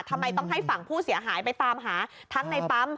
ทำไมต้องให้ฝั่งผู้เสียหายไปตามหาทั้งในปั๊ม